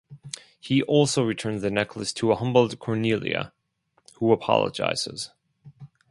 He also returns the necklace to a humbled Cornelia, who apologizes.